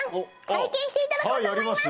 体験していただこうと思います